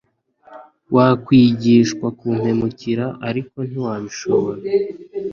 wakwigishwa kumpemukira ariko ntiwabibasha